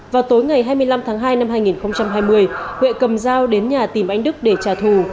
vào tối ngày hai mươi năm tháng hai năm hai nghìn hai mươi huệ cầm dao đến nhà tìm anh đức để trả thù